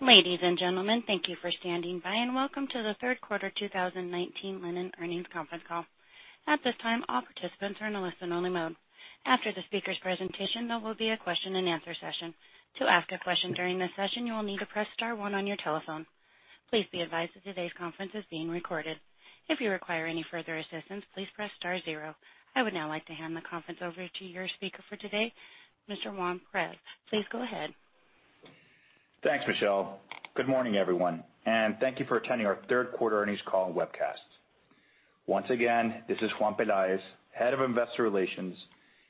Ladies and gentlemen, thank you for standing by, and welcome to the third quarter 2019 Linde earnings conference call. At this time, all participants are in a listen-only mode. After the speaker's presentation, there will be a question and answer session. To ask a question during this session, you will need to press star one on your telephone. Please be advised that today's conference is being recorded. If you require any further assistance, please press star zero. I would now like to hand the conference over to your speaker for today, Mr. Juan Pelaez. Please go ahead. Thanks, Michelle. Good morning, everyone, and thank you for attending our third quarter earnings call webcast. Once again, this is Juan Pelaez, Head of Investor Relations,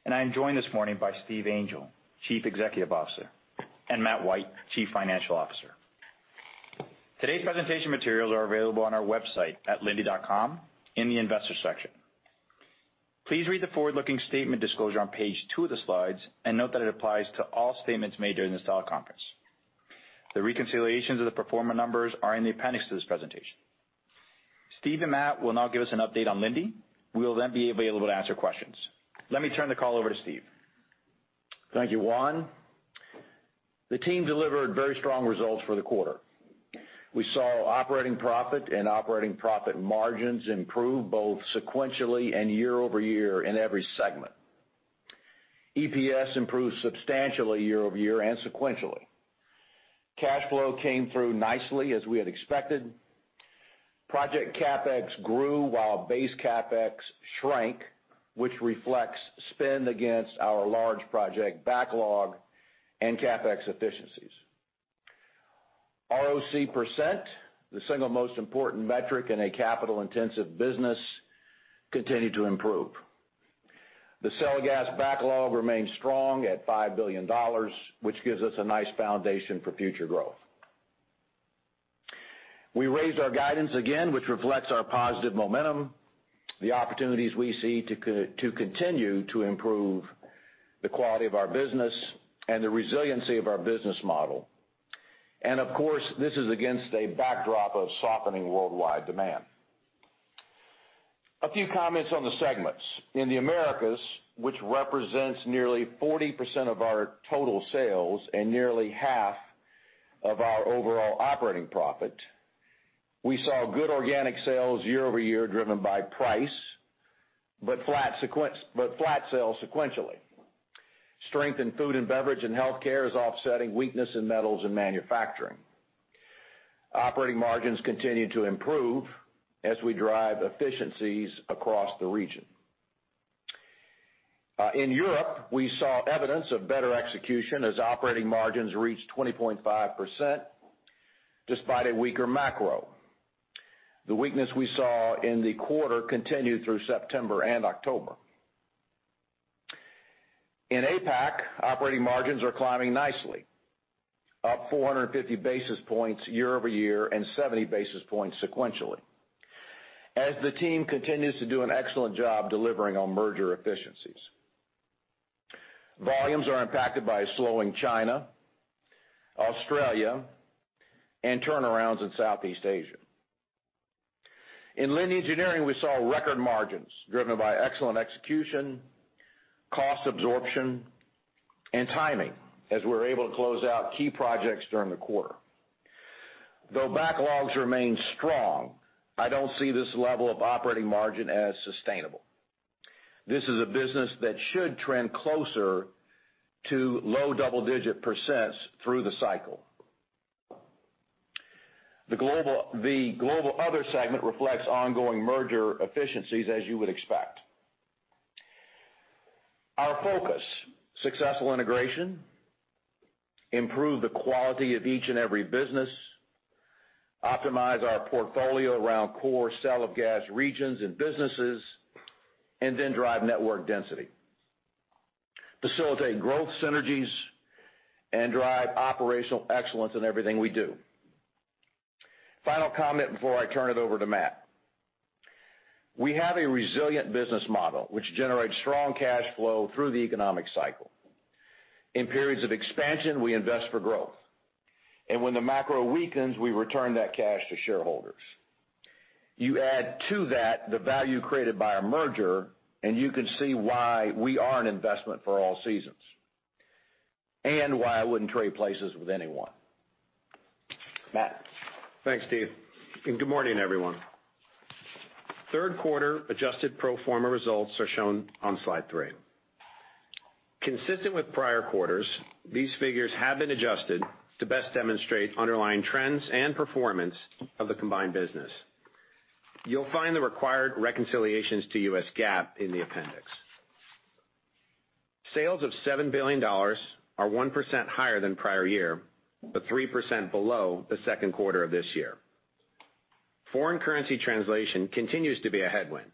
and I'm joined this morning by Steve Angel, Chief Executive Officer, and Matt White, Chief Financial Officer. Today's presentation materials are available on our website at linde.com in the investor section. Please read the forward-looking statement disclosure on page two of the slides and note that it applies to all statements made during this teleconference. The reconciliations of the pro forma numbers are in the appendix to this presentation. Steve and Matt will now give us an update on Linde. We will then be available to answer questions. Let me turn the call over to Steve. Thank you, Juan. The team delivered very strong results for the quarter. We saw operating profit and operating profit margins improve both sequentially and year-over-year in every segment. EPS improved substantially year-over-year and sequentially. Cash flow came through nicely as we had expected. Project CapEx grew while base CapEx shrank, which reflects spend against our large project backlog and CapEx efficiencies. ROC%, the single most important metric in a capital-intensive business, continued to improve. The sale of gas backlog remains strong at $5 billion, which gives us a nice foundation for future growth. We raised our guidance again, which reflects our positive momentum, the opportunities we see to continue to improve the quality of our business and the resiliency of our business model. Of course, this is against a backdrop of softening worldwide demand. A few comments on the segments. In the Americas, which represents nearly 40% of our total sales and nearly half of our overall operating profit, we saw good organic sales year-over-year driven by price, but flat sales sequentially. Strength in food and beverage and healthcare is offsetting weakness in metals and manufacturing. Operating margins continue to improve as we drive efficiencies across the region. In Europe, we saw evidence of better execution as operating margins reached 20.5%, despite a weaker macro. The weakness we saw in the quarter continued through September and October. In APAC, operating margins are climbing nicely, up 450 basis points year-over-year and 70 basis points sequentially as the team continues to do an excellent job delivering on merger efficiencies. Volumes are impacted by a slowing China, Australia, and turnarounds in Southeast Asia. In Linde Engineering, we saw record margins driven by excellent execution, cost absorption, and timing as we were able to close out key projects during the quarter. Backlogs remain strong, I don't see this level of operating margin as sustainable. This is a business that should trend closer to low double-digit % through the cycle. The global other segment reflects ongoing merger efficiencies, as you would expect. Our focus, successful integration, improve the quality of each and every business, optimize our portfolio around core sale of gas regions and businesses, then drive network density, facilitate growth synergies, and drive operational excellence in everything we do. Final comment before I turn it over to Matt. We have a resilient business model, which generates strong cash flow through the economic cycle. In periods of expansion, we invest for growth. When the macro weakens, we return that cash to shareholders. You add to that the value created by our merger, you can see why we are an investment for all seasons and why I wouldn't trade places with anyone. Matt. Thanks, Steve. Good morning, everyone. Third quarter adjusted pro forma results are shown on slide three. Consistent with prior quarters, these figures have been adjusted to best demonstrate underlying trends and performance of the combined business. You'll find the required reconciliations to US GAAP in the appendix. Sales of $7 billion are 1% higher than prior year, but 3% below the second quarter of this year. Foreign currency translation continues to be a headwind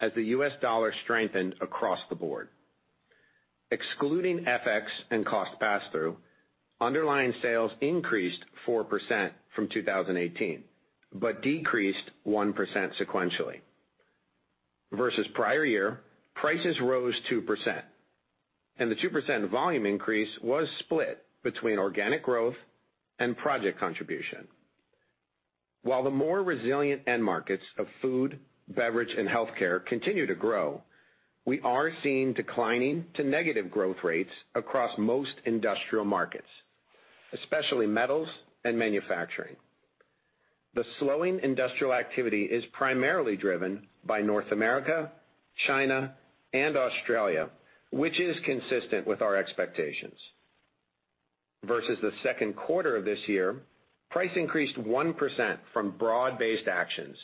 as the US dollar strengthened across the board. Excluding FX and cost pass-through, underlying sales increased 4% from 2018, but decreased 1% sequentially. Versus prior year, prices rose 2%, and the 2% volume increase was split between organic growth and project contribution. While the more resilient end markets of food, beverage, and healthcare continue to grow, we are seeing declining to negative growth rates across most industrial markets, especially metals and manufacturing. The slowing industrial activity is primarily driven by North America, China, and Australia, which is consistent with our expectations. Versus the second quarter of this year, price increased 1% from broad-based actions,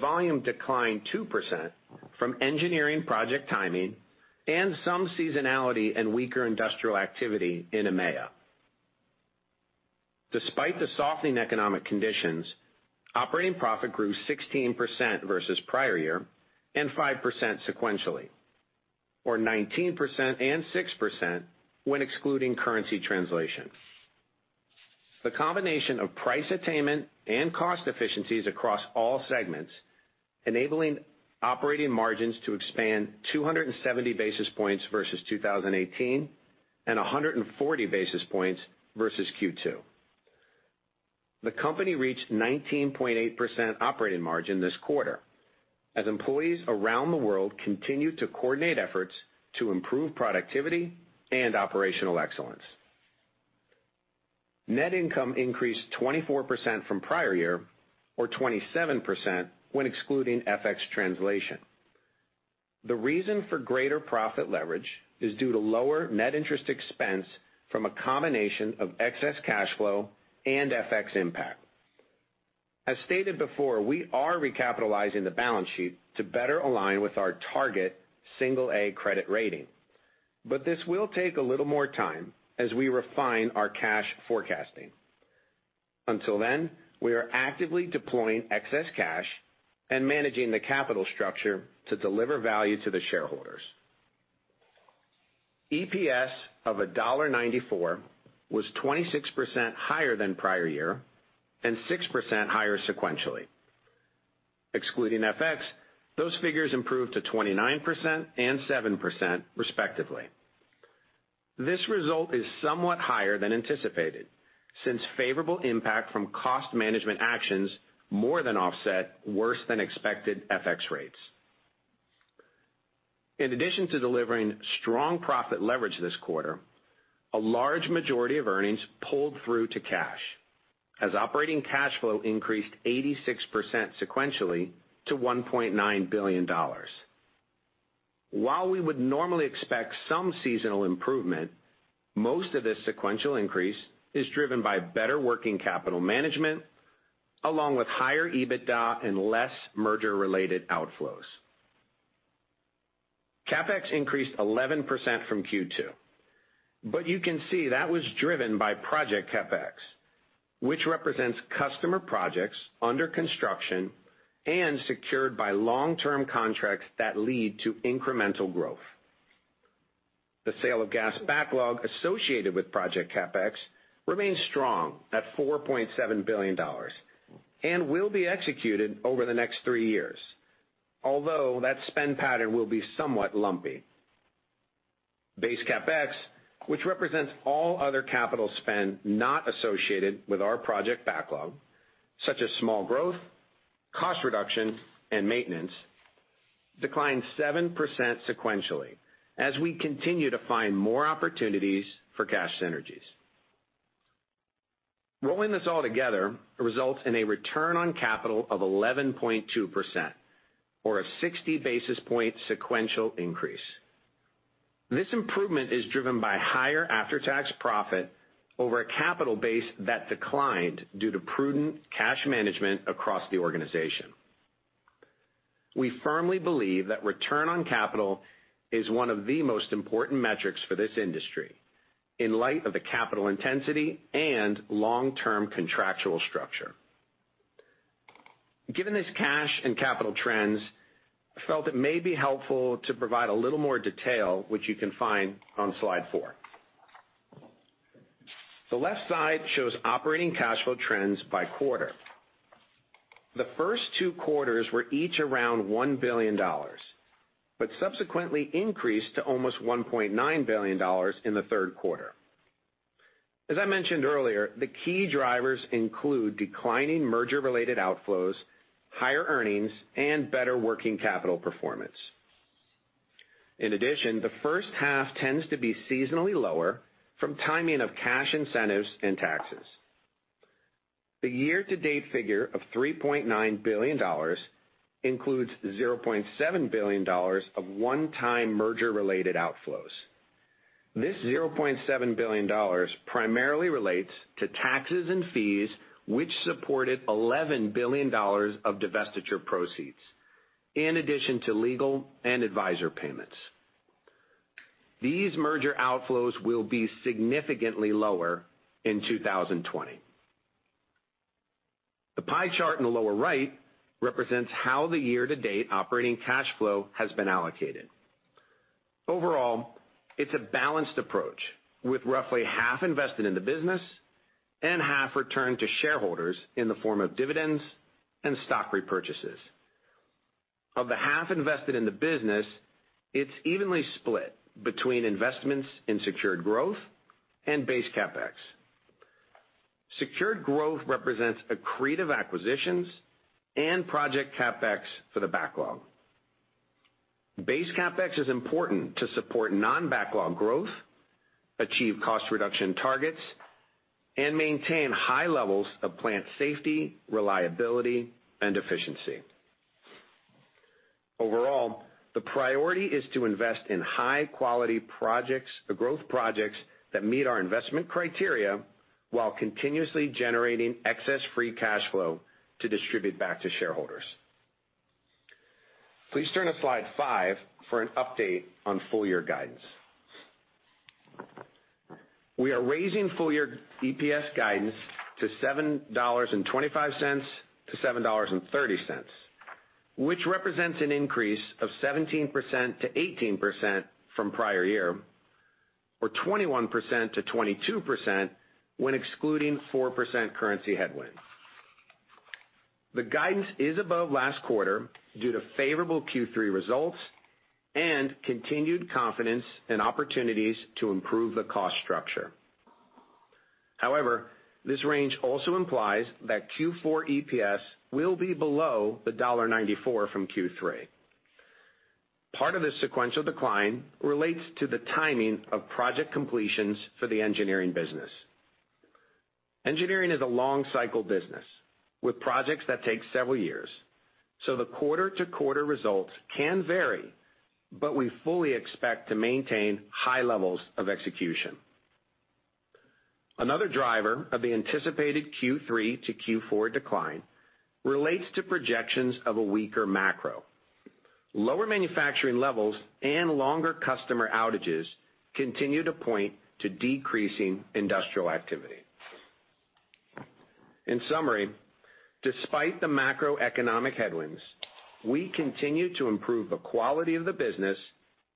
volume declined 2% from engineering project timing and some seasonality and weaker industrial activity in EMEA. Despite the softening economic conditions, operating profit grew 16% versus prior year and 5% sequentially, or 19% and 6% when excluding currency translation. The combination of price attainment and cost efficiencies across all segments, enabling operating margins to expand 270 basis points versus 2018 and 140 basis points versus Q2. The company reached 19.8% operating margin this quarter as employees around the world continue to coordinate efforts to improve productivity and operational excellence. Net income increased 24% from prior year or 27% when excluding FX translation. The reason for greater profit leverage is due to lower net interest expense from a combination of excess cash flow and FX impact. As stated before, we are recapitalizing the balance sheet to better align with our target single A credit rating. This will take a little more time as we refine our cash forecasting. Until then, we are actively deploying excess cash and managing the capital structure to deliver value to the shareholders. EPS of $1.94 was 26% higher than prior year and 6% higher sequentially. Excluding FX, those figures improved to 29% and 7%, respectively. This result is somewhat higher than anticipated, since favorable impact from cost management actions more than offset worse than expected FX rates. In addition to delivering strong profit leverage this quarter, a large majority of earnings pulled through to cash, as operating cash flow increased 86% sequentially to $1.9 billion. While we would normally expect some seasonal improvement, most of this sequential increase is driven by better working capital management, along with higher EBITDA and less merger-related outflows. CapEx increased 11% from Q2. You can see that was driven by project CapEx, which represents customer projects under construction and secured by long-term contracts that lead to incremental growth. The sale of gas backlog associated with project CapEx remains strong at $4.7 billion and will be executed over the next three years. Although, that spend pattern will be somewhat lumpy. Base CapEx, which represents all other capital spend not associated with our project backlog, such as small growth, cost reduction, and maintenance, declined 7% sequentially as we continue to find more opportunities for cash synergies. Rolling this all together results in a return on capital of 11.2%, or a 60 basis point sequential increase. This improvement is driven by higher after-tax profit over a capital base that declined due to prudent cash management across the organization. We firmly believe that return on capital is one of the most important metrics for this industry in light of the capital intensity and long-term contractual structure. Given this cash and capital trends, I felt it may be helpful to provide a little more detail, which you can find on slide four. The left side shows operating cash flow trends by quarter. The first two quarters were each around $1 billion, but subsequently increased to almost $1.9 billion in the third quarter. As I mentioned earlier, the key drivers include declining merger-related outflows, higher earnings, and better working capital performance. In addition, the first half tends to be seasonally lower from timing of cash incentives and taxes. The year-to-date figure of $3.9 billion includes $0.7 billion of one-time merger-related outflows. This $0.7 billion primarily relates to taxes and fees, which supported $11 billion of divestiture proceeds, in addition to legal and advisor payments. These merger outflows will be significantly lower in 2020. The pie chart in the lower right represents how the year-to-date operating cash flow has been allocated. Overall, it's a balanced approach with roughly half invested in the business and half returned to shareholders in the form of dividends and stock repurchases. Of the half invested in the business, it's evenly split between investments in secured growth and base CapEx. Secured growth represents accretive acquisitions and project CapEx for the backlog. Base CapEx is important to support non-backlog growth, achieve cost reduction targets, and maintain high levels of plant safety, reliability, and efficiency. Overall, the priority is to invest in high-quality growth projects that meet our investment criteria while continuously generating excess free cash flow to distribute back to shareholders. Please turn to slide five for an update on full-year guidance. We are raising full-year EPS guidance to $7.25-$7.30, which represents an increase of 17%-18% from prior year, or 21%-22% when excluding 4% currency headwinds. The guidance is above last quarter due to favorable Q3 results and continued confidence in opportunities to improve the cost structure. However, this range also implies that Q4 EPS will be below the $1.94 from Q3. Part of this sequential decline relates to the timing of project completions for the engineering business. Engineering is a long-cycle business with projects that take several years, so the quarter-to-quarter results can vary, but we fully expect to maintain high levels of execution. Another driver of the anticipated Q3 to Q4 decline relates to projections of a weaker macro. Lower manufacturing levels and longer customer outages continue to point to decreasing industrial activity. In summary, despite the macroeconomic headwinds, we continue to improve the quality of the business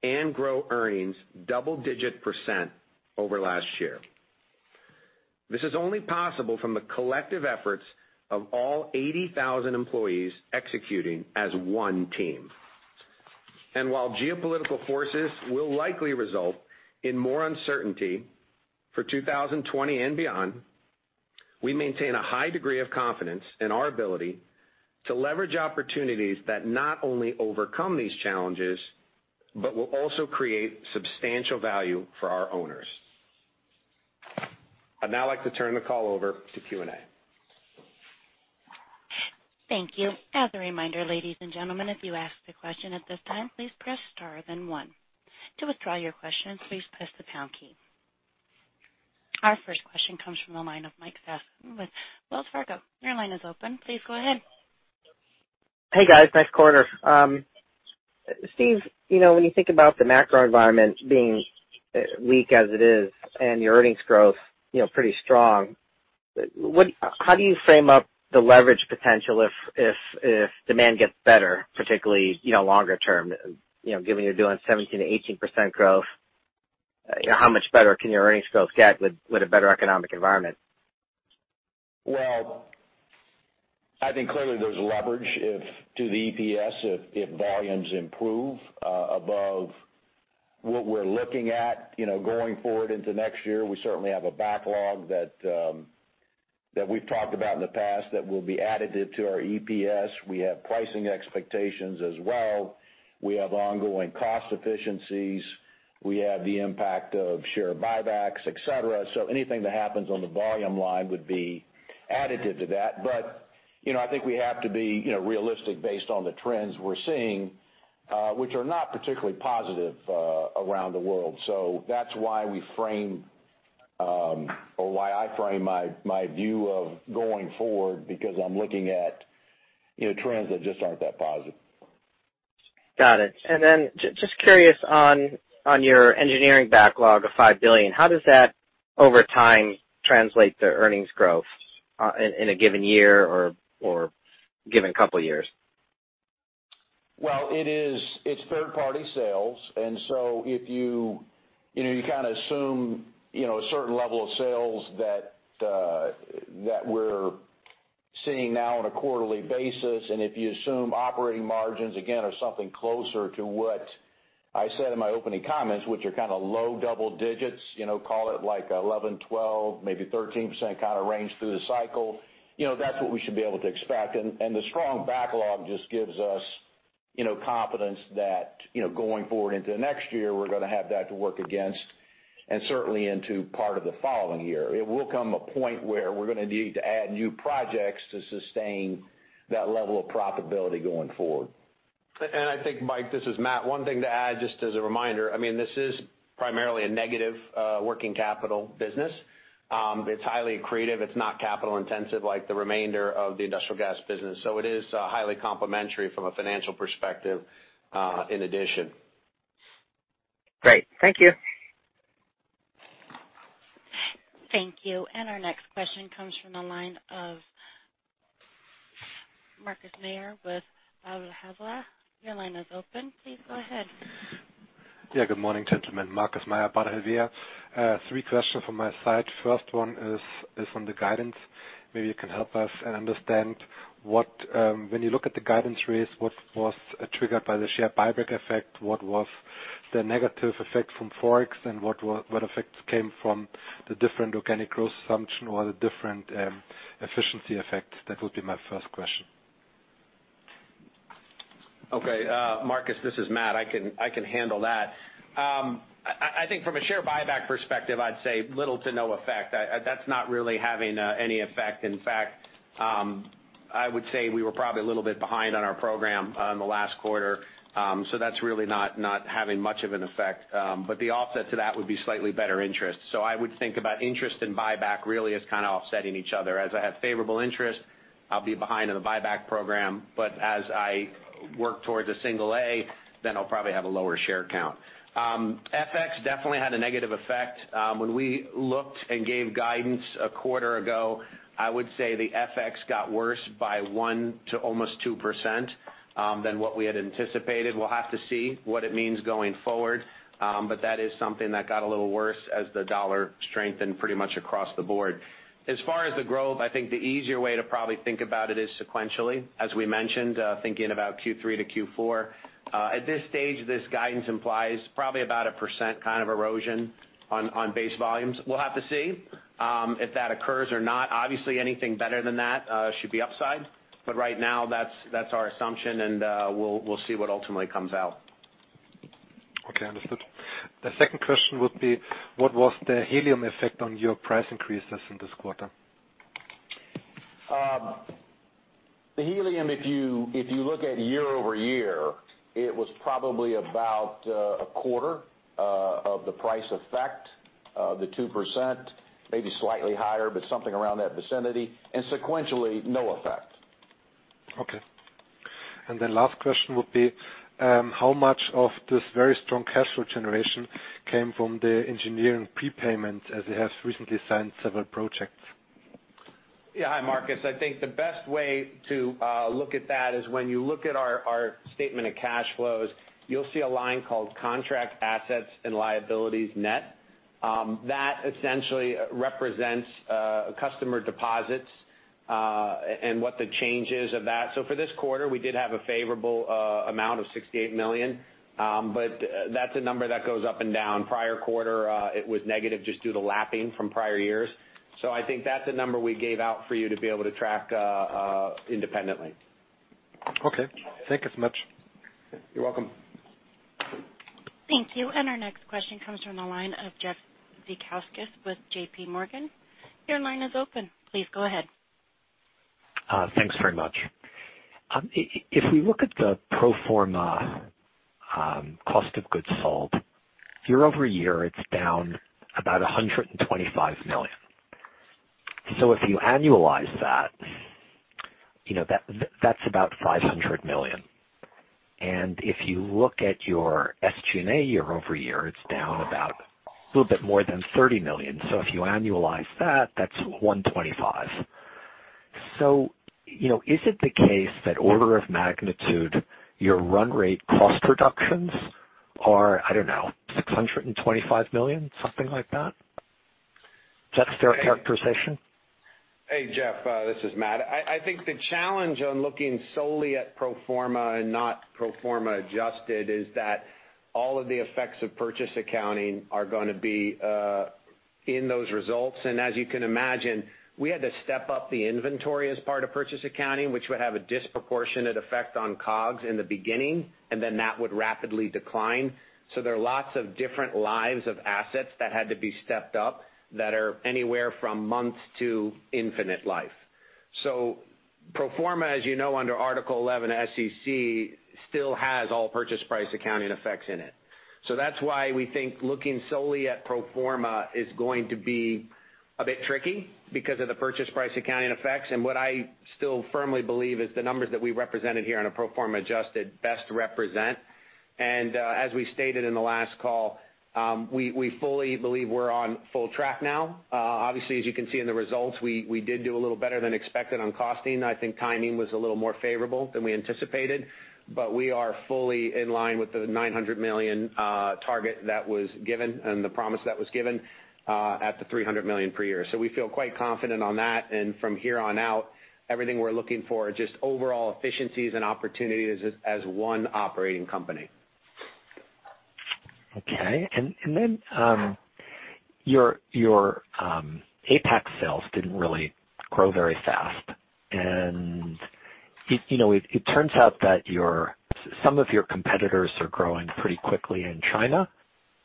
and grow earnings double digit % over last year. This is only possible from the collective efforts of all 80,000 employees executing as one team. While geopolitical forces will likely result in more uncertainty for 2020 and beyond, we maintain a high degree of confidence in our ability to leverage opportunities that not only overcome these challenges, but will also create substantial value for our owners. I'd now like to turn the call over to Q&A. Thank you. As a reminder, ladies and gentlemen, if you ask the question at this time, please press star then one. To withdraw your question, please press the pound key. Our first question comes from the line of Mike Sison with Wells Fargo. Your line is open. Please go ahead. Hey, guys. Nice quarter. Steve, when you think about the macro environment being weak as it is and your earnings growth pretty strong, how do you frame up the leverage potential if demand gets better, particularly longer term, given you're doing 17%-18% growth? How much better can your earnings growth get with a better economic environment? Well, I think clearly there's leverage to the EPS if volumes improve above what we're looking at going forward into next year. We certainly have a backlog that we've talked about in the past that will be additive to our EPS. We have pricing expectations as well. We have ongoing cost efficiencies. We have the impact of share buybacks, et cetera. Anything that happens on the volume line would be additive to that. I think we have to be realistic based on the trends we're seeing, which are not particularly positive around the world. That's why we frame, or why I frame my view of going forward, because I'm looking at trends that just aren't that positive. Got it. Just curious on your engineering backlog of $5 billion, how does that over time translate to earnings growth in a given year or given couple years? Well, it's third party sales, and so if you assume a certain level of sales that we're seeing now on a quarterly basis, and if you assume operating margins, again, are something closer to what I said in my opening comments, which are low double digits, call it like a 11, 12, maybe 13% kind of range through the cycle. That's what we should be able to expect. The strong backlog just gives us confidence that going forward into next year, we're going to have that to work against, and certainly into part of the following year. It will come a point where we're going to need to add new projects to sustain that level of profitability going forward. I think, Mike, this is Matt, one thing to add, just as a reminder, this is primarily a negative working capital business. It's highly accretive. It's not capital intensive like the remainder of the industrial gas business. It is highly complementary from a financial perspective in addition. Great. Thank you. Thank you. Our next question comes from the line of Markus Mayer with Baader Helvea. Your line is open. Please go ahead. Yeah. Good morning, gentlemen. Markus Mayer, Baader Helvea. three questions from my side. First one is on the guidance. Maybe you can help us and understand when you look at the guidance rates, what was triggered by the share buyback effect, what was the negative effect from FX, and what effects came from the different organic growth assumption or the different efficiency effect? That would be my first question. Okay. Markus, this is Matt. I can handle that. I think from a share buyback perspective, I'd say little to no effect. That's not really having any effect. In fact, I would say we were probably a little bit behind on our program on the last quarter. That's really not having much of an effect. The offset to that would be slightly better interest. I would think about interest and buyback really as kind of offsetting each other. As I have favorable interest, I'll be behind in the buyback program, but as I work towards a single A, then I'll probably have a lower share count. FX definitely had a negative effect. When we looked and gave guidance a quarter ago, I would say the FX got worse by 1% to almost 2%, than what we had anticipated. We'll have to see what it means going forward, but that is something that got a little worse as the dollar strengthened pretty much across the board. As far as the growth, I think the easier way to probably think about it is sequentially, as we mentioned, thinking about Q3 to Q4. At this stage, this guidance implies probably about 1% kind of erosion on base volumes. We'll have to see if that occurs or not. Obviously, anything better than that should be upside. Right now, that's our assumption, and we'll see what ultimately comes out. Okay, understood. The second question would be, what was the helium effect on your price increases in this quarter? The helium, if you look at year-over-year, it was probably about a quarter of the price effect of the 2%, maybe slightly higher, but something around that vicinity. Sequentially, no effect. Okay. Last question would be, how much of this very strong cash flow generation came from the engineering prepayment, as you have recently signed several projects? Yeah. Hi, Markus. I think the best way to look at that is when you look at our statement of cash flows, you'll see a line called contract assets and liabilities net. That essentially represents customer deposits, and what the change is of that. For this quarter, we did have a favorable amount of $68 million. That's a number that goes up and down. Prior quarter, it was negative just due to lapping from prior years. I think that's a number we gave out for you to be able to track independently. Okay. Thank you so much. You're welcome. Thank you. Our next question comes from the line of Jeff Zekauskas with J.P. Morgan. Your line is open. Please go ahead. Thanks very much. If we look at the pro forma cost of goods sold, year-over-year, it's down about $125 million. If you annualize that's about $500 million. If you look at your SG&A year-over-year, it's down about a little bit more than $30 million. If you annualize that's $125 million. Is it the case that order of magnitude, your run rate cost reductions are, I don't know, $625 million, something like that? Is that a fair characterization? Hey, Jeff. This is Matt. I think the challenge on looking solely at pro forma and not pro forma adjusted is that all of the effects of purchase accounting are going to be in those results. As you can imagine, we had to step up the inventory as part of purchase accounting, which would have a disproportionate effect on COGS in the beginning, and then that would rapidly decline. There are lots of different lives of assets that had to be stepped up that are anywhere from months to infinite life. Pro forma, as you know, under Article 11 SEC, still has all purchase price accounting effects in it. That's why we think looking solely at pro forma is going to be a bit tricky because of the purchase price accounting effects. What I still firmly believe is the numbers that we represented here on a pro forma adjusted best represent. As we stated in the last call, we fully believe we're on full track now. Obviously, as you can see in the results, we did do a little better than expected on costing. I think timing was a little more favorable than we anticipated. We are fully in line with the $900 million target that was given and the promise that was given at the $300 million per year. We feel quite confident on that, and from here on out, everything we're looking for are just overall efficiencies and opportunities as one operating company. Okay. Then your APAC sales didn't really grow very fast, it turns out that some of your competitors are growing pretty quickly in China,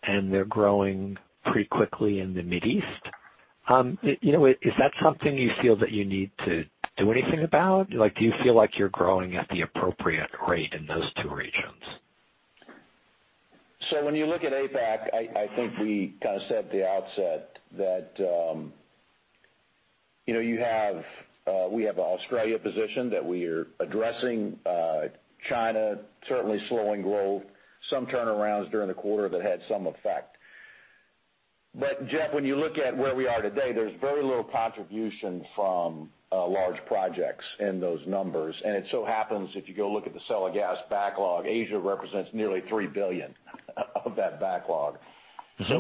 they're growing pretty quickly in the Mid East. Is that something you feel that you need to do anything about? Do you feel like you're growing at the appropriate rate in those two regions? When you look at APAC, I think we kind of said at the outset that we have an Australia position that we are addressing. China, certainly slowing growth. Some turnarounds during the quarter that had some effect. Jeff, when you look at where we are today, there's very little contribution from large projects in those numbers. It so happens, if you go look at the sale of gas backlog, Asia represents nearly $3 billion of that backlog.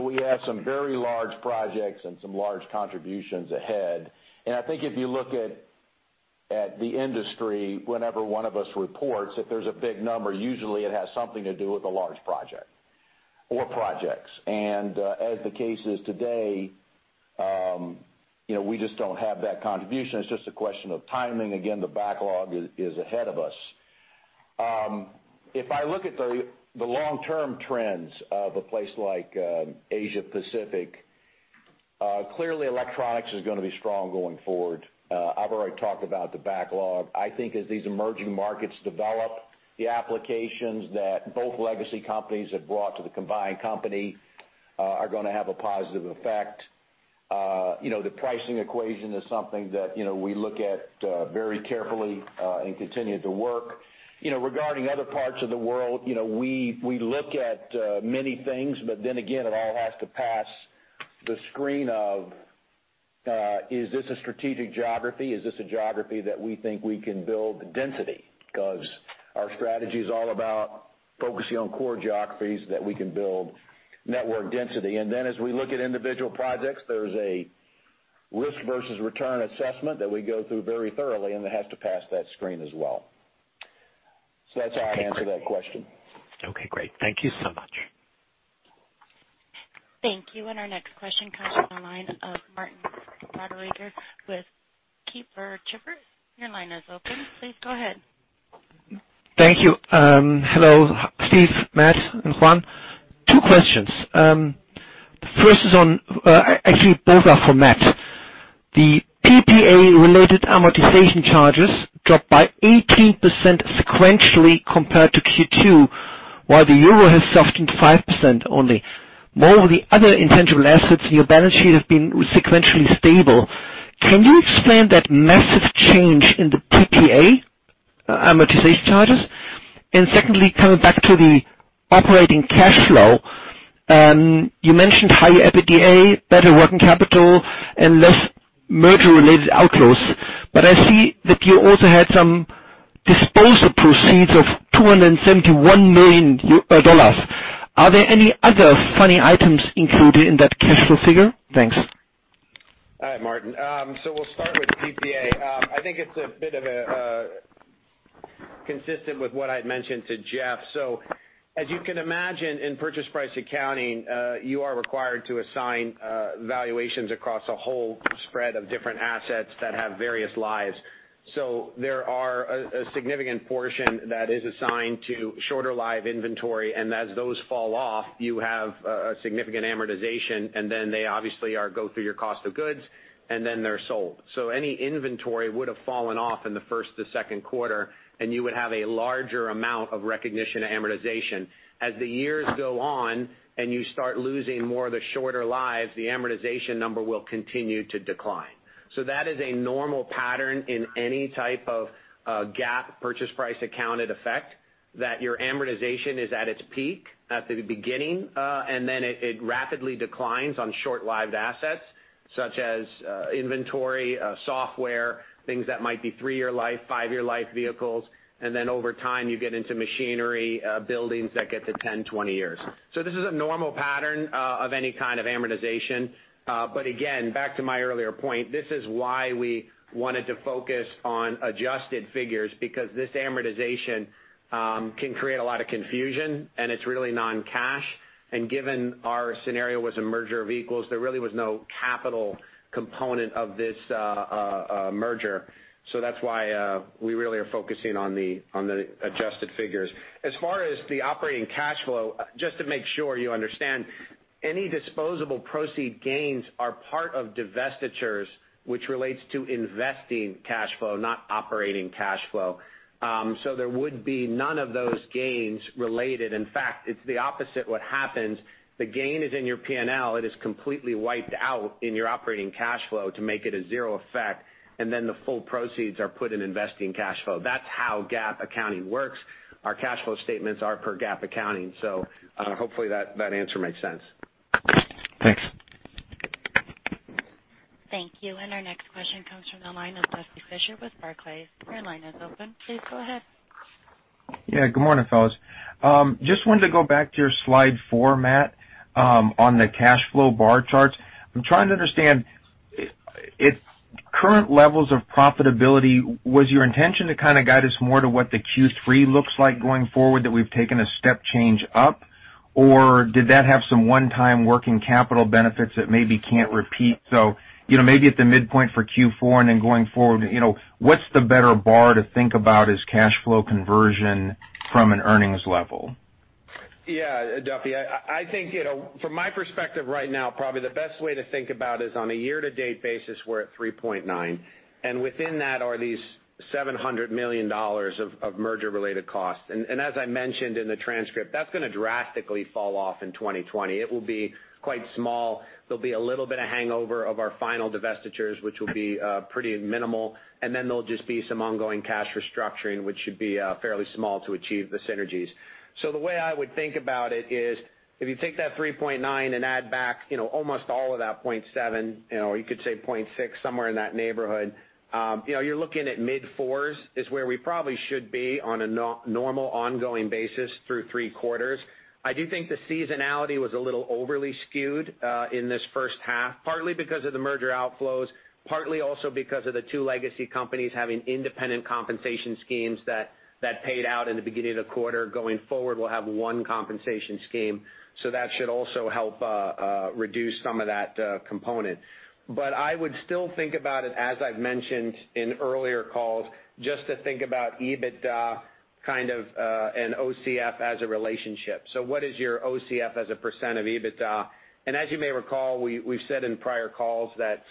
We have some very large projects and some large contributions ahead. I think if you look at the industry, whenever one of us reports, if there's a big number, usually it has something to do with a large project or projects. As the case is today, we just don't have that contribution. It's just a question of timing. Again, the backlog is ahead of us. If I look at the long-term trends of a place like Asia Pacific, clearly electronics is going to be strong going forward. I've already talked about the backlog. I think as these emerging markets develop, the applications that both legacy companies have brought to the combined company are going to have a positive effect. The pricing equation is something that we look at very carefully and continue to work. Regarding other parts of the world, we look at many things, but then again, it all has to pass the screen of, is this a strategic geography? Is this a geography that we think we can build density? Because our strategy is all about focusing on core geographies that we can build network density. Then as we look at individual projects, there's a risk versus return assessment that we go through very thoroughly, and it has to pass that screen as well. That's how I answer that question. Okay, great. Thank you so much. Thank you. Our next question comes from the line of Martin Roediger with Kepler Cheuvreux. Your line is open. Please go ahead. Thank you. Hello, Steve, Matt, and Juan. Two questions. First is on. Actually, both are for Matt. The PPA-related amortization charges dropped by 18% sequentially compared to Q2, while the EUR has softened 5% only. While the other intangible assets in your balance sheet have been sequentially stable, can you explain that massive change in the PPA amortization charges? Secondly, coming back to the operating cash flow, you mentioned higher EBITDA, better working capital, and less merger-related outlays. I see that you also had some disposal proceeds of $271 million. Are there any other funny items included in that cash flow figure? Thanks. All right, Martin. We'll start with PPA. I think it's a bit of a consistent with what I'd mentioned to Jeff. As you can imagine, in purchase price accounting, you are required to assign valuations across a whole spread of different assets that have various lives. There are a significant portion that is assigned to shorter life inventory, and as those fall off, you have a significant amortization, and then they obviously go through your cost of goods, and then they're sold. Any inventory would have fallen off in the first to second quarter, and you would have a larger amount of recognition amortization. As the years go on and you start losing more of the shorter lives, the amortization number will continue to decline. That is a normal pattern in any type of GAAP purchase price accounted effect that your amortization is at its peak at the beginning, and then it rapidly declines on short-lived assets such as inventory, software, things that might be three-year life, five-year life vehicles, and then over time you get into machinery, buildings that get to 10, 20 years. This is a normal pattern of any kind of amortization. Again, back to my earlier point, this is why we wanted to focus on adjusted figures because this amortization can create a lot of confusion, and it's really non-cash. Given our scenario was a merger of equals, there really was no capital component of this merger. That's why we really are focusing on the adjusted figures. As far as the operating cash flow, just to make sure you understand, any disposable proceed gains are part of divestitures which relates to investing cash flow, not operating cash flow. There would be none of those gains related. In fact, it's the opposite what happens. The gain is in your P&L. It is completely wiped out in your operating cash flow to make it a zero effect, and then the full proceeds are put in investing cash flow. That's how GAAP accounting works. Our cash flow statements are per GAAP accounting. Hopefully that answer makes sense. Thanks. Thank you. Our next question comes from the line of Duffy Fischer with Barclays. Your line is open. Please go ahead. Yeah, good morning, fellas. Just wanted to go back to your slide four, Matt, on the cash flow bar charts. I'm trying to understand if current levels of profitability, was your intention to kind of guide us more to what the Q3 looks like going forward that we've taken a step change up, or did that have some one-time working capital benefits that maybe can't repeat? Maybe at the midpoint for Q4 and then going forward, what's the better bar to think about as cash flow conversion from an earnings level? Yeah, Duffy. I think from my perspective right now, probably the best way to think about is on a year-to-date basis, we're at $3.9, and within that are these $700 million of merger-related costs. As I mentioned in the transcript, that's going to drastically fall off in 2020. It will be quite small. There'll be a little bit of hangover of our final divestitures, which will be pretty minimal. Then there'll just be some ongoing cash restructuring, which should be fairly small to achieve the synergies. The way I would think about it is, if you take that $3.9 and add back almost all of that $0.7, you could say $0.6, somewhere in that neighborhood. You're looking at mid-$4s is where we probably should be on a normal ongoing basis through three quarters. I do think the seasonality was a little overly skewed in this first half, partly because of the merger outflows, partly also because of the two legacy companies having independent compensation schemes that paid out in the beginning of the quarter. That should also help reduce some of that component. I would still think about it, as I've mentioned in earlier calls, just to think about EBITDA kind of, and OCF as a relationship. What is your OCF as a % of EBITDA? As you may recall, we've said in prior calls that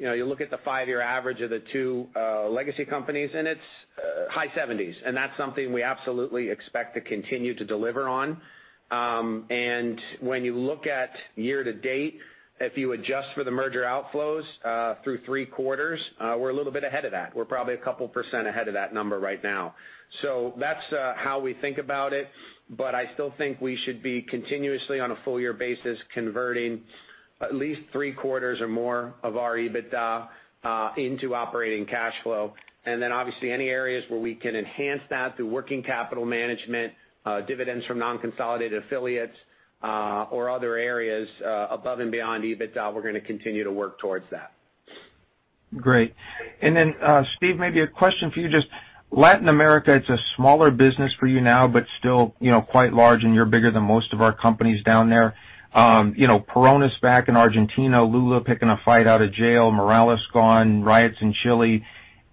you look at the five-year average of the two legacy companies, and it's high 70s, and that's something we absolutely expect to continue to deliver on. When you look at year to date, if you adjust for the merger outflows through 3 quarters, we're a little bit ahead of that. We're probably a couple % ahead of that number right now. That's how we think about it, but I still think we should be continuously, on a full year basis, converting at least three quarters or more of our EBITDA into operating cash flow. Then obviously any areas where we can enhance that through working capital management, dividends from non-consolidated affiliates, or other areas above and beyond EBITDA, we're going to continue to work towards that. Great. Steve, maybe a question for you. Latin America, it's a smaller business for you now, but still quite large and you're bigger than most of our companies down there. Peronism back in Argentina, Lula picking a fight out of jail, Morales gone, riots in Chile.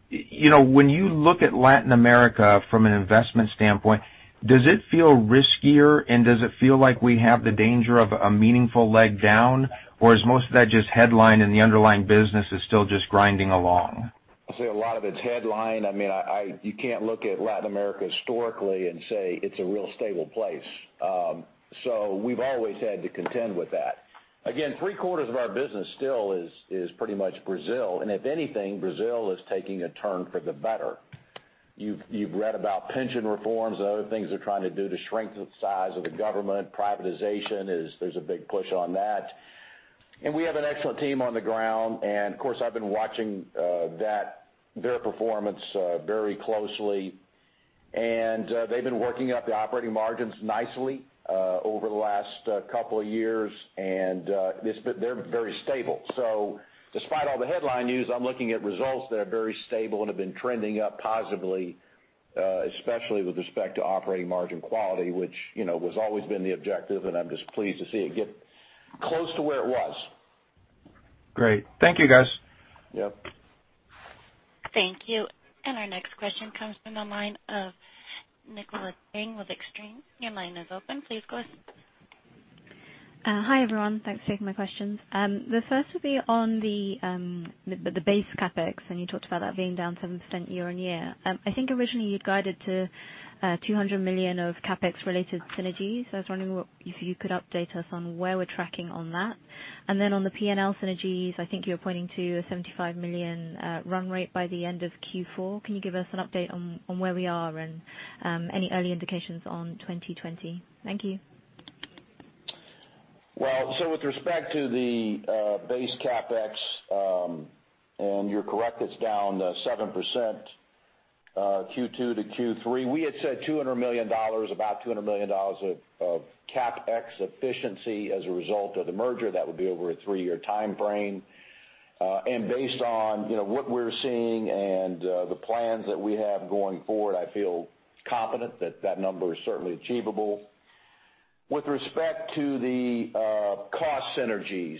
When you look at Latin America from an investment standpoint, does it feel riskier and does it feel like we have the danger of a meaningful leg down? Or is most of that just headline and the underlying business is still just grinding along? I'd say a lot of it's headline. You can't look at Latin America historically and say it's a real stable place. We've always had to contend with that. Again, three quarters of our business still is pretty much Brazil, and if anything, Brazil is taking a turn for the better. You've read about pension reforms and other things they're trying to do to shrink the size of the government. Privatization, there's a big push on that. We have an excellent team on the ground, and of course, I've been watching their performance very closely. They've been working up the operating margins nicely over the last couple of years, and they're very stable. Despite all the headline news, I'm looking at results that are very stable and have been trending up positively, especially with respect to operating margin quality, which has always been the objective, and I'm just pleased to see it get close to where it was. Great. Thank you, guys. Yep. Thank you. Our next question comes from the line of Nicola Tang with Exane. Your line is open. Please go ahead. Hi, everyone. Thanks for taking my questions. The first will be on the base CapEx, you talked about that being down 7% year-on-year. I think originally you'd guided to $200 million of CapEx related synergies. I was wondering if you could update us on where we're tracking on that. On the P&L synergies, I think you were pointing to a $75 million run rate by the end of Q4. Can you give us an update on where we are and any early indications on 2020? Thank you. Well, with respect to the base CapEx, and you're correct, it's down 7% Q2 to Q3. We had said about $200 million of CapEx efficiency as a result of the merger. That would be over a three-year time frame. Based on what we're seeing and the plans that we have going forward, I feel confident that that number is certainly achievable. With respect to the cost synergies,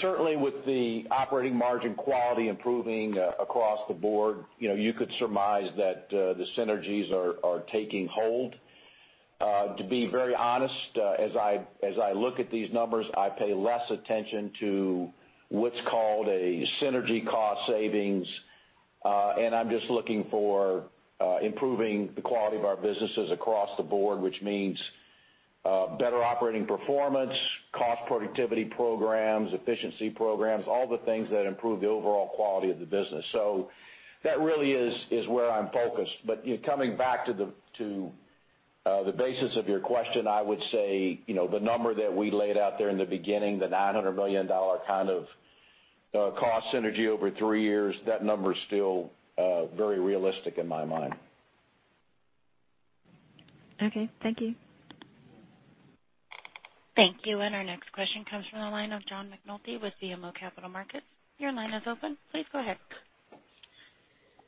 certainly with the operating margin quality improving across the board, you could surmise that the synergies are taking hold. To be very honest, as I look at these numbers, I pay less attention to what's called a synergy cost savings, I'm just looking for improving the quality of our businesses across the board, which means better operating performance, cost productivity programs, efficiency programs, all the things that improve the overall quality of the business. That really is where I'm focused. Coming back to the basis of your question, I would say the number that we laid out there in the beginning, the $900 million kind of cost synergy over three years, that number is still very realistic in my mind. Okay. Thank you. Thank you. Our next question comes from the line of John McNulty with BMO Capital Markets. Your line is open. Please go ahead.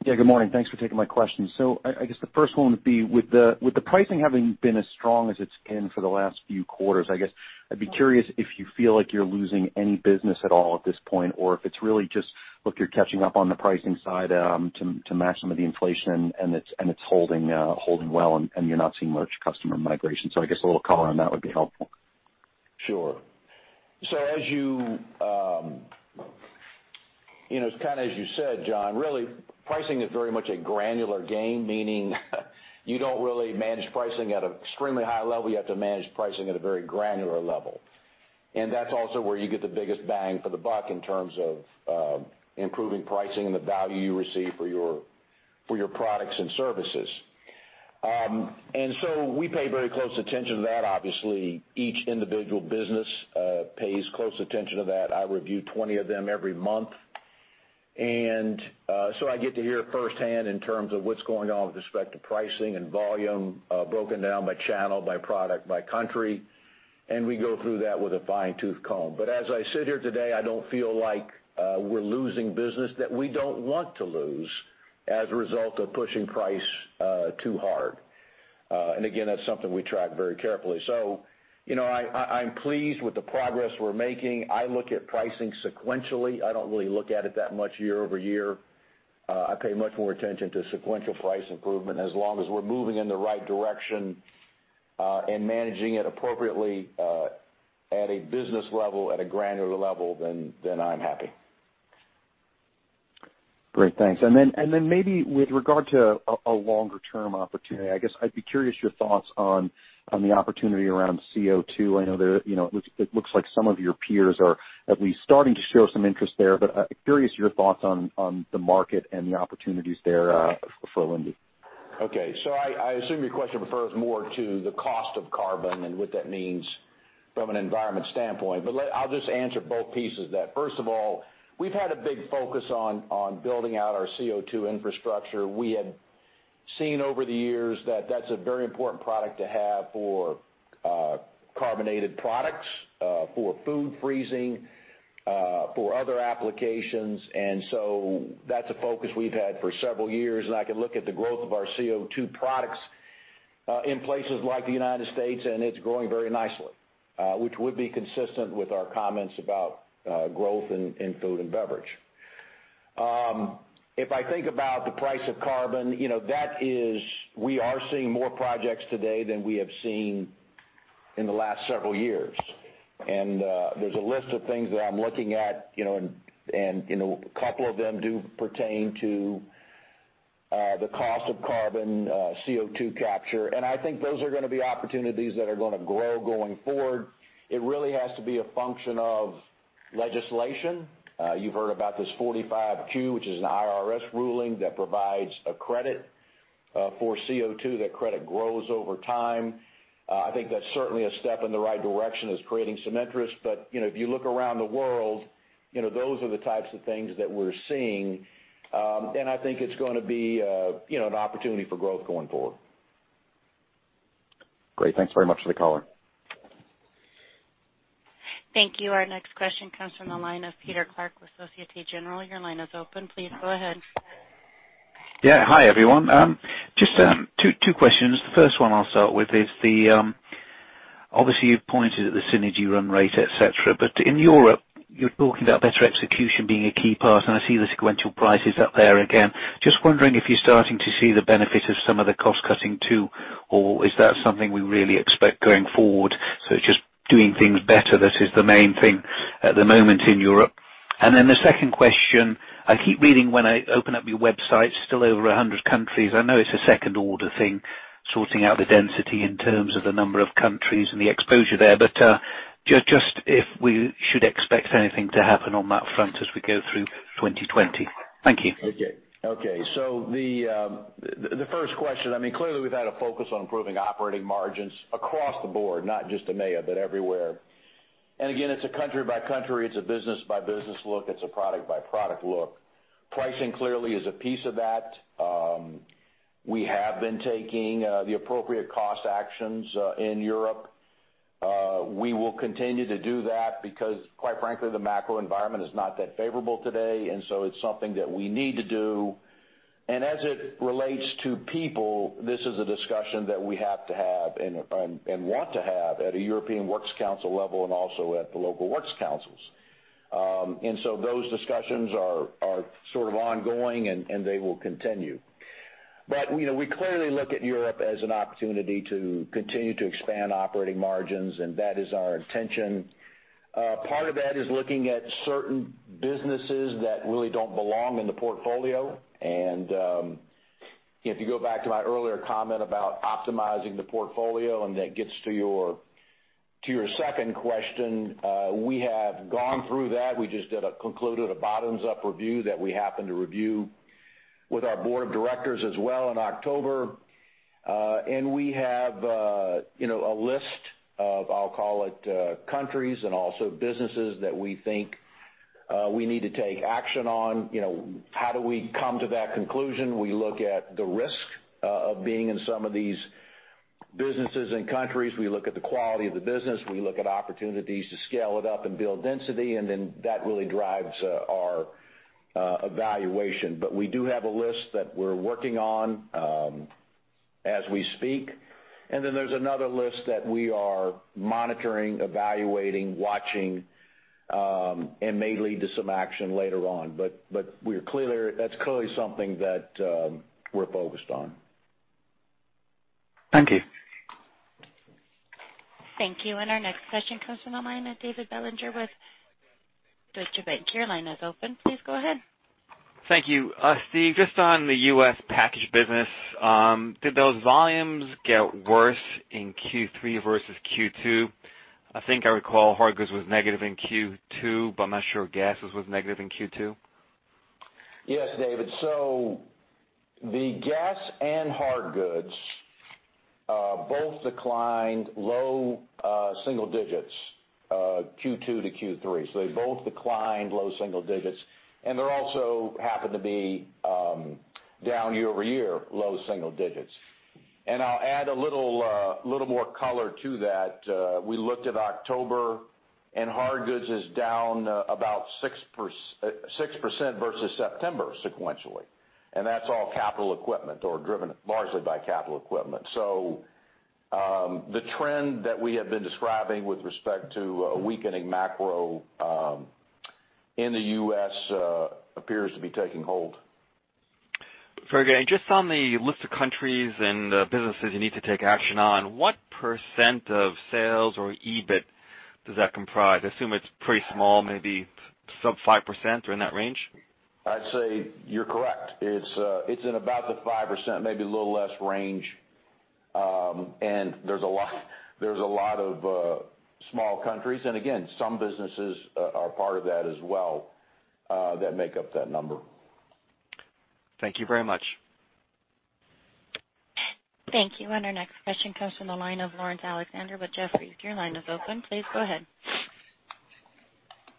Yeah, good morning. Thanks for taking my question. I guess the first one would be, with the pricing having been as strong as it's been for the last few quarters, I guess I'd be curious if you feel like you're losing any business at all at this point, or if it's really just, look, you're catching up on the pricing side to match some of the inflation and it's holding well and you're not seeing much customer migration. I guess a little color on that would be helpful. Sure. As you said, John, really, pricing is very much a granular game, meaning you don't really manage pricing at an extremely high level. You have to manage pricing at a very granular level. That's also where you get the biggest bang for the buck in terms of improving pricing and the value you receive for your products and services. We pay very close attention to that. Obviously, each individual business pays close attention to that. I review 20 of them every month. I get to hear firsthand in terms of what's going on with respect to pricing and volume, broken down by channel, by product, by country, and we go through that with a fine-tooth comb. As I sit here today, I don't feel like we're losing business that we don't want to lose as a result of pushing price too hard. Again, that's something we track very carefully. I'm pleased with the progress we're making. I look at pricing sequentially. I don't really look at it that much year-over-year. I pay much more attention to sequential price improvement. As long as we're moving in the right direction, and managing it appropriately, at a business level, at a granular level, then I'm happy. Great. Thanks. Then maybe with regard to a longer-term opportunity, I guess I'd be curious your thoughts on the opportunity around CO2. I know it looks like some of your peers are at least starting to show some interest there, but curious your thoughts on the market and the opportunities there for Linde. Okay. I assume your question refers more to the cost of carbon and what that means from an environment standpoint, but I'll just answer both pieces of that. First of all, we've had a big focus on building out our CO2 infrastructure. We had seen over the years that that's a very important product to have for carbonated products, for food freezing, for other applications. That's a focus we've had for several years, and I can look at the growth of our CO2 products, in places like the United States, and it's growing very nicely, which would be consistent with our comments about growth in food and beverage. If I think about the price of carbon, we are seeing more projects today than we have seen in the last several years. There's a list of things that I'm looking at, and a couple of them do pertain to the cost of carbon, CO2 capture. I think those are gonna be opportunities that are gonna grow going forward. It really has to be a function of legislation. You've heard about this 45Q, which is an IRS ruling that provides a credit for CO2. That credit grows over time. I think that's certainly a step in the right direction. It's creating some interest. If you look around the world, those are the types of things that we're seeing. I think it's gonna be an opportunity for growth going forward. Great. Thanks very much for the color. Thank you. Our next question comes from the line of Peter Clark with Société Générale. Your line is open. Please go ahead. Yeah. Hi, everyone. Just two questions. The first one I'll start with is obviously, you've pointed at the synergy run rate, et cetera, but in Europe, you're talking about better execution being a key part, and I see the sequential prices up there again. Just wondering if you're starting to see the benefit of some of the cost-cutting too, or is that something we really expect going forward? It's just doing things better, that is the main thing at the moment in Europe. The second question, I keep reading when I open up your website, still over 100 countries. I know it's a second-order thing, sorting out the density in terms of the number of countries and the exposure there. Just if we should expect anything to happen on that front as we go through 2020. Thank you. The first question, clearly, we've had a focus on improving operating margins across the board, not just EMEA, but everywhere. It's a country-by-country, it's a business-by-business look. It's a product-by-product look. Pricing clearly is a piece of that. We have been taking the appropriate cost actions in Europe. We will continue to do that because, quite frankly, the macro environment is not that favorable today, it's something that we need to do. As it relates to people, this is a discussion that we have to have and want to have at a European Works Council level and also at the local works councils. Those discussions are sort of ongoing, and they will continue. We clearly look at Europe as an opportunity to continue to expand operating margins, and that is our intention. Part of that is looking at certain businesses that really don't belong in the portfolio. If you go back to my earlier comment about optimizing the portfolio, and that gets to your second question, we have gone through that. We just concluded a bottoms-up review that we happened to review with our board of directors as well in October. We have a list of, I'll call it, countries and also businesses that we think we need to take action on. How do we come to that conclusion? We look at the risk of being in some of these businesses and countries. We look at the quality of the business. We look at opportunities to scale it up and build density, and then that really drives our evaluation. We do have a list that we're working on as we speak. Then there's another list that we are monitoring, evaluating, watching, and may lead to some action later on. That's clearly something that we're focused on. Thank you. Thank you. Our next question comes from the line of David Begleiter with Deutsche Bank. Your line is open. Please go ahead. Thank you. Steve, just on the U.S. packaged business, did those volumes get worse in Q3 versus Q2? I think I recall hard goods was negative in Q2, but I'm not sure gases was negative in Q2. Yes, David. The gas and hard goods both declined low single digits Q2 to Q3. They both declined low single digits, and they also happened to be down year-over-year low single digits. I'll add a little more color to that. We looked at October, and hard goods is down about 6% versus September sequentially, and that's all capital equipment or driven largely by capital equipment. The trend that we have been describing with respect to a weakening macro in the U.S. appears to be taking hold. Very good. Just on the list of countries and businesses you need to take action on, what % of sales or EBIT does that comprise? I assume it's pretty small, maybe sub 5% or in that range. I'd say you're correct. It's in about the 5%, maybe a little less range. There's a lot of small countries, and again, some businesses are part of that as well, that make up that number. Thank you very much. Thank you. Our next question comes from the line of Laurence Alexander with Jefferies. Your line is open. Please go ahead.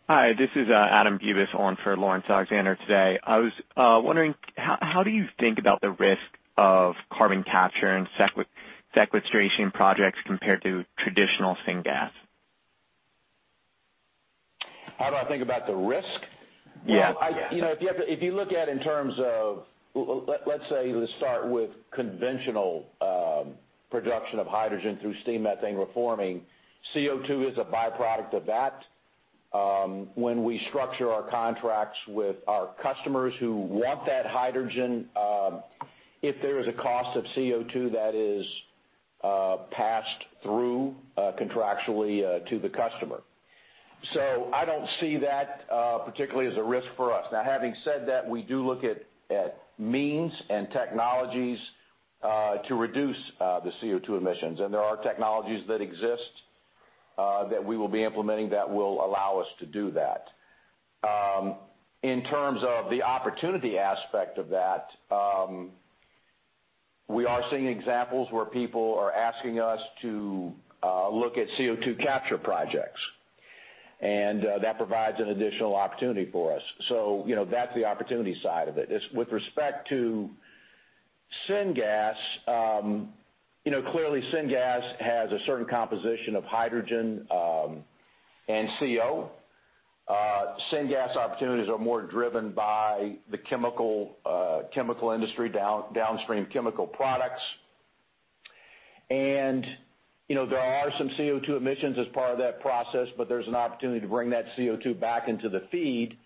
Hi, this is Adam Bubes on for Laurence Alexander today. I was wondering, how do you think about the risk of carbon capture and sequestration projects compared to traditional syngas? How do I think about the risk? Yeah. Well, if you look at in terms of, let's start with conventional production of hydrogen through steam methane reforming. CO2 is a byproduct of that. When we structure our contracts with our customers who want that hydrogen, if there is a cost of CO2, that is passed through contractually to the customer. I don't see that particularly as a risk for us. Now, having said that, we do look at means and technologies to reduce the CO2 emissions, and there are technologies that exist that we will be implementing that will allow us to do that. In terms of the opportunity aspect of that, we are seeing examples where people are asking us to look at CO2 capture projects, and that provides an additional opportunity for us. That's the opportunity side of it. With respect to syngas, clearly syngas has a certain composition of hydrogen and CO. Syngas opportunities are more driven by the chemical industry, downstream chemical products. There are some CO2 emissions as part of that process, but there's an opportunity to bring that CO2 back into the feed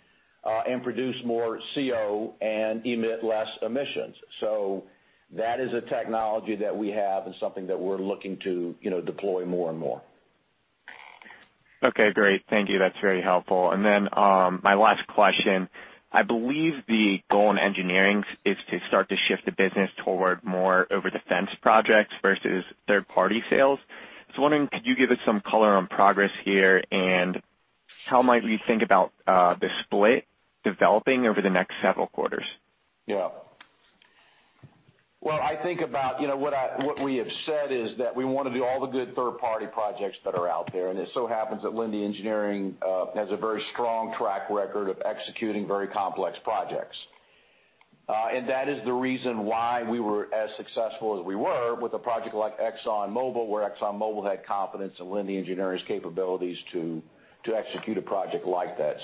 and produce more CO and emit less emissions. That is a technology that we have and something that we're looking to deploy more and more. Okay, great. Thank you. That's very helpful. My last question. I believe the goal in Linde Engineering is to start to shift the business toward more over-the-fence projects versus third-party sales. I was wondering, could you give us some color on progress here, and how might we think about the split developing over the next several quarters? Yeah. Well, I think about what we have said is that we want to do all the good third-party projects that are out there, and it so happens that Linde Engineering has a very strong track record of executing very complex projects. That is the reason why we were as successful as we were with a project like ExxonMobil, where ExxonMobil had confidence in Linde Engineering's capabilities to execute a project like that.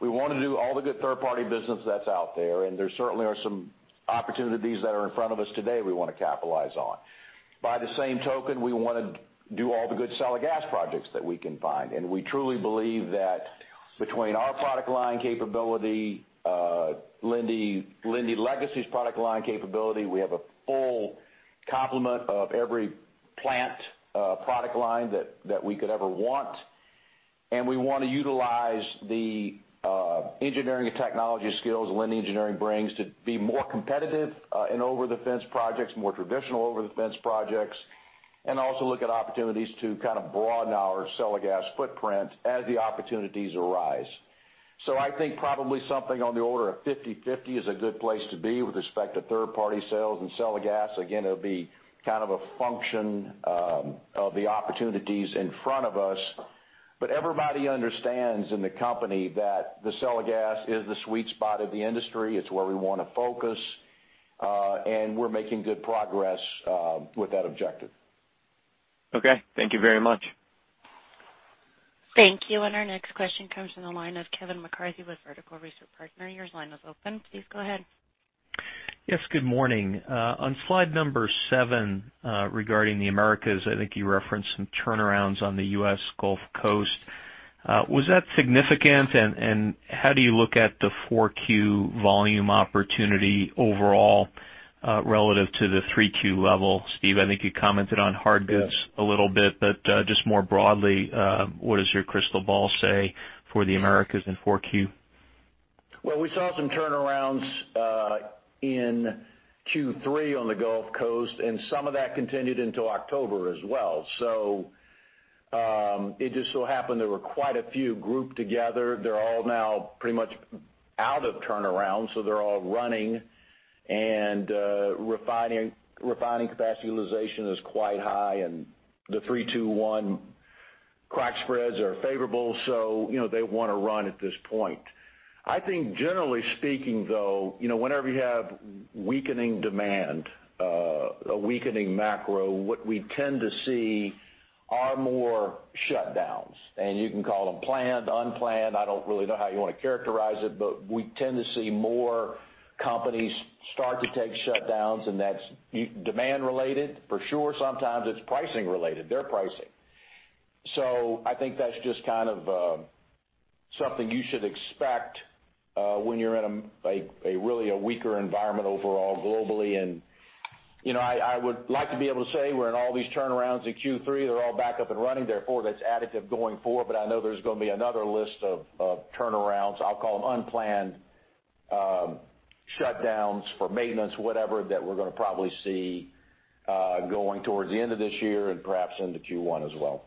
We want to do all the good third-party business that's out there, and there certainly are some opportunities that are in front of us today we want to capitalize on. By the same token, we want to do all the good sale of gas projects that we can find, and we truly believe that between our product line capability, Linde Legacy's product line capability, we have a full complement of every plant product line that we could ever want. We want to utilize the engineering and technology skills Linde Engineering brings to be more competitive in over-the-fence projects, more traditional over-the-fence projects, and also look at opportunities to kind of broaden our sale of gas footprint as the opportunities arise. I think probably something on the order of 50/50 is a good place to be with respect to third-party sales and sale of gas. Again, it'll be kind of a function of the opportunities in front of us. Everybody understands in the company that the sale of gas is the sweet spot of the industry. It's where we want to focus. We're making good progress with that objective. Okay. Thank you very much. Thank you. Our next question comes from the line of Kevin McCarthy with Vertical Research Partners. Your line is open. Please go ahead. Yes, good morning. On slide number seven, regarding the Americas, I think you referenced some turnarounds on the U.S. Gulf Coast. Was that significant? How do you look at the four Q volume opportunity overall relative to the three Q level? Steve, I think you commented on hard goods a little bit. Just more broadly, what does your crystal ball say for the Americas in four Q? Well, we saw some turnarounds in Q3 on the Gulf Coast, and some of that continued into October as well. It just so happened there were quite a few grouped together. They're all now pretty much out of turnaround, so they're all running and refining capacity utilization is quite high, and the 3-2-1 crack spreads are favorable, so they want to run at this point. I think generally speaking, though, whenever you have weakening demand, a weakening macro, what we tend to see are more shutdowns. You can call them planned, unplanned, I don't really know how you want to characterize it, but we tend to see more companies start to take shutdowns, and that's demand related for sure. Sometimes it's pricing related. Their pricing. I think that's just kind of something you should expect when you're in a really weaker environment overall globally. I would like to be able to say we're in all these turnarounds in Q3, they're all back up and running, therefore, that's additive going forward. I know there's going to be another list of turnarounds. I'll call them unplanned shutdowns for maintenance, whatever, that we're going to probably see going towards the end of this year and perhaps into Q1 as well.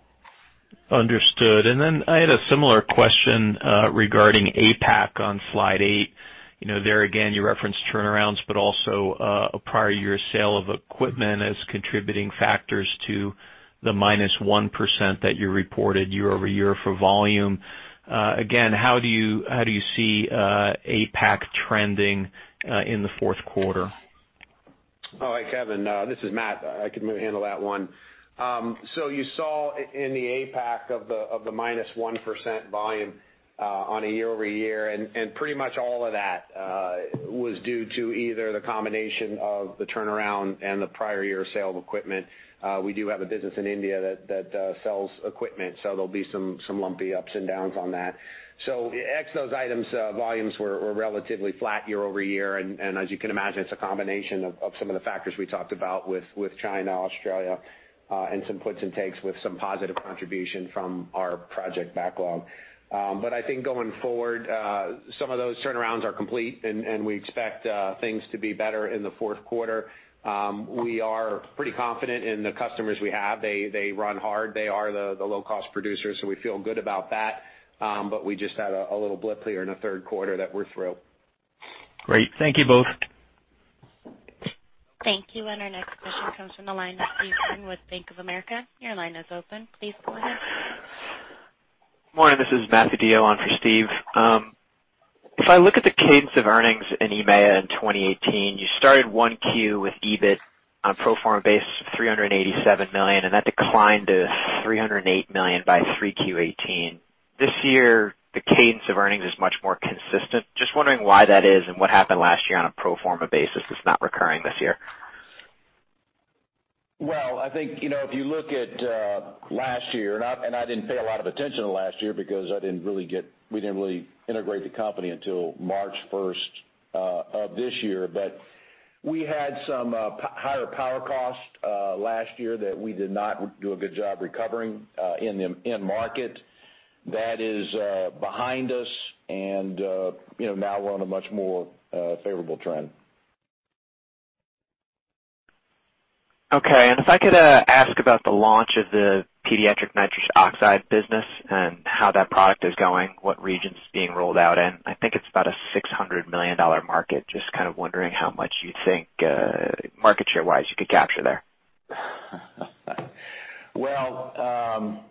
Understood. I had a similar question regarding APAC on slide eight. There again, you referenced turnarounds, but also a prior year sale of equipment as contributing factors to the minus 1% that you reported year-over-year for volume. Again, how do you see APAC trending in the fourth quarter? All right, Kevin, this is Matt. I can handle that one. You saw in the APAC of the minus 1% volume on a year-over-year, and pretty much all of that was due to either the combination of the turnaround and the prior year sale of equipment. We do have a business in India that sells equipment, there'll be some lumpy ups and downs on that. Ex those items, volumes were relatively flat year-over-year, and as you can imagine, it's a combination of some of the factors we talked about with China, Australia, and some puts and takes with some positive contribution from our project backlog. I think going forward, some of those turnarounds are complete, and we expect things to be better in the fourth quarter. We are pretty confident in the customers we have. They run hard. They are the low-cost producers, so we feel good about that. We just had a little blip there in the third quarter that we're through. Great. Thank you both. Thank you. Our next question comes from the line of Stephen Byrne with Bank of America. Your line is open. Please go ahead. Morning, this is Matthew DeYoe on for Steve. I look at the cadence of earnings in EMEA in 2018, you started 1Q with EBIT on a pro forma basis of $387 million, and that declined to $308 million by 3Q 2018. This year, the cadence of earnings is much more consistent. I'm just wondering why that is and what happened last year on a pro forma basis that's not recurring this year? I think, if you look at last year, and I didn't pay a lot of attention to last year because we didn't really integrate the company until March 1st of this year. We had some higher power cost last year that we did not do a good job recovering in market. That is behind us, now we're on a much more favorable trend. Okay. If I could ask about the launch of the pediatric nitrous oxide business and how that product is going, what regions it's being rolled out in? I think it's about a $600 million market. Just kind of wondering how much you think, market share wise, you could capture there? Well,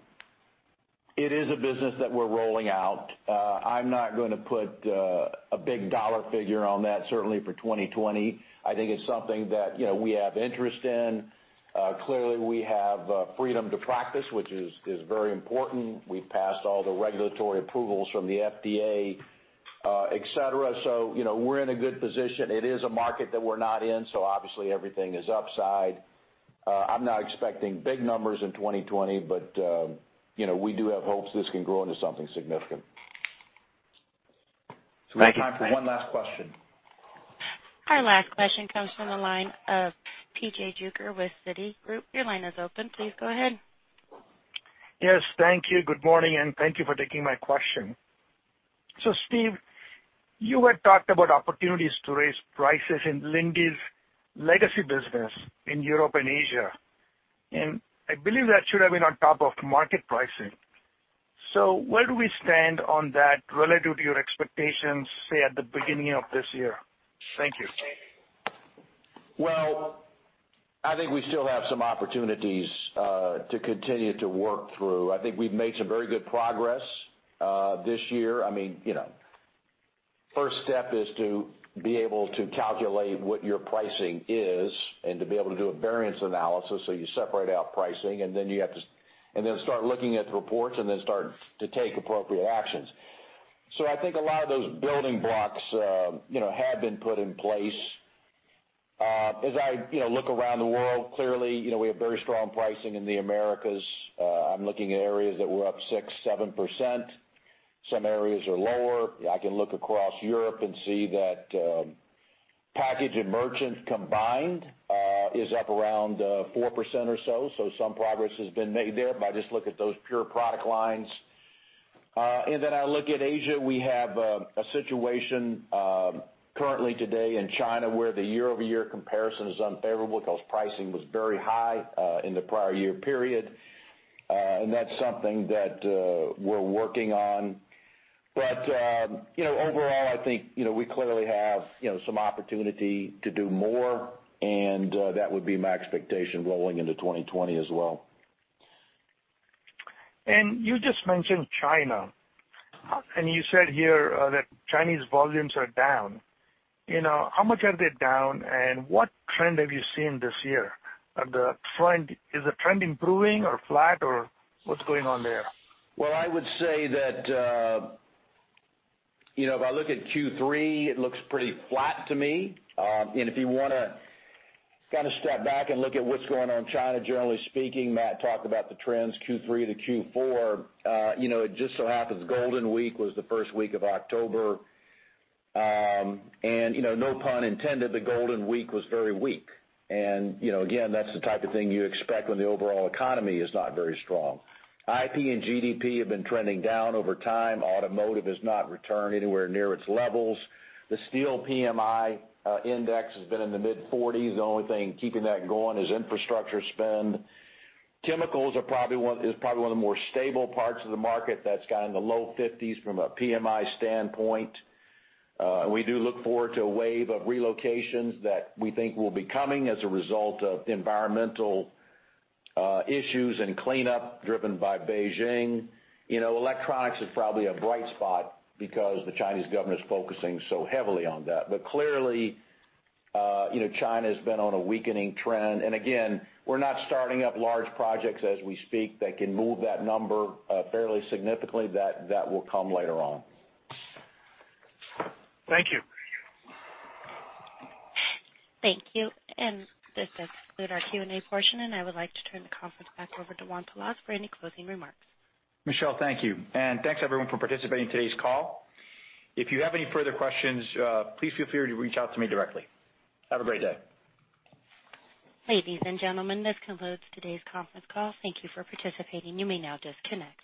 it is a business that we're rolling out. I'm not going to put a big dollar figure on that, certainly for 2020. I think it's something that we have interest in. Clearly, we have freedom to practice, which is very important. We've passed all the regulatory approvals from the FDA, et cetera. We're in a good position. It is a market that we're not in, so obviously everything is upside. I'm not expecting big numbers in 2020, but we do have hopes this can grow into something significant. Thank you. We have time for one last question. Our last question comes from the line of P.J. Juvekar with Citigroup. Your line is open. Please go ahead. Yes, thank you. Good morning, thank you for taking my question. Steve, you had talked about opportunities to raise prices in Linde's legacy business in Europe and Asia, I believe that should have been on top of market pricing. Where do we stand on that relative to your expectations, say, at the beginning of this year? Thank you. Well, I think we still have some opportunities to continue to work through. I think we've made some very good progress this year. First step is to be able to calculate what your pricing is and to be able to do a variance analysis, so you separate out pricing, and then start looking at the reports and then start to take appropriate actions. I think a lot of those building blocks have been put in place. As I look around the world, clearly, we have very strong pricing in the Americas. I'm looking at areas that were up 6%, 7%. Some areas are lower. I can look across Europe and see that package and merchant combined is up around 4% or so. Some progress has been made there by just looking at those pure product lines. I look at Asia. We have a situation currently today in China, where the year-over-year comparison is unfavorable because pricing was very high in the prior year period. That's something that we're working on. Overall, I think we clearly have some opportunity to do more, and that would be my expectation rolling into 2020 as well. You just mentioned China, and you said here that Chinese volumes are down. How much are they down, and what trend have you seen this year? Is the trend improving or flat, or what's going on there? Well, I would say that if I look at Q3, it looks pretty flat to me. If you want to kind of step back and look at what's going on in China, generally speaking, Matt talked about the trends Q3 to Q4. It just so happens Golden Week was the first week of October. No pun intended, the Golden Week was very weak. Again, that's the type of thing you expect when the overall economy is not very strong. IP and GDP have been trending down over time. Automotive has not returned anywhere near its levels. The steel PMI index has been in the mid-40s. The only thing keeping that going is infrastructure spend. Chemicals is probably one of the more stable parts of the market that's kind of in the low 50s from a PMI standpoint. We do look forward to a wave of relocations that we think will be coming as a result of environmental issues and cleanup driven by Beijing. Electronics is probably a bright spot because the Chinese government's focusing so heavily on that. Clearly, China's been on a weakening trend. Again, we're not starting up large projects as we speak that can move that number fairly significantly. That will come later on. Thank you. Thank you. This does conclude our Q&A portion, and I would like to turn the conference back over to Juan Pelaez for any closing remarks. Michelle, thank you. Thanks, everyone, for participating in today's call. If you have any further questions, please feel free to reach out to me directly. Have a great day. Ladies and gentlemen, this concludes today's conference call. Thank you for participating. You may now disconnect.